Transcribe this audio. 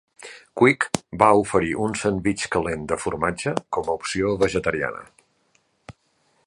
Quick va oferir un sandvitx calent de formatge com a opció vegetariana.